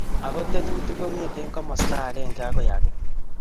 Ako tetutiik kong'ete komasta agenge akoi age.